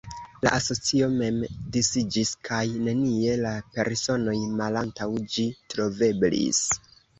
La asocio mem disiĝis kaj nenie la personoj malantaŭ ĝi troveblis.